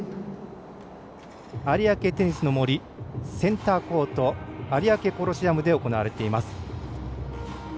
有明テニスの森センターコート有明コロシアムで行われています。